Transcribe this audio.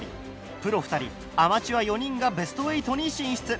プロ２人アマチュア４人がベスト８に進出。